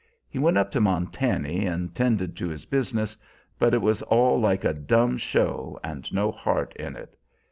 He went up to Montany and tended to his business, but it was all like a dumb show and no heart in it.